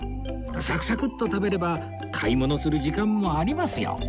さくさくっと食べれば買い物する時間もありますよ